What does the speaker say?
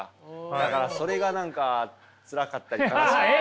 だからそれが何かつらかったり悲しかったりとかして。